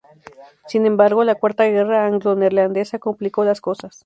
Sin embargo, la cuarta guerra anglo-neerlandesa complicó las cosas.